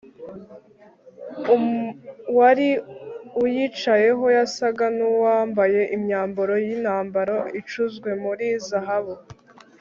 uwari uyicayeho yasaga n'uwambaye imyambaro y'intambara icuzwe muri zahabu